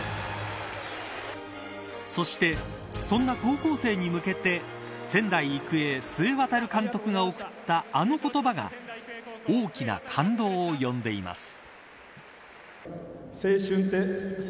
そして、そんな高校生に向けて仙台育英、須江航監督が送ったあの言葉が大きな感動を呼んでいます。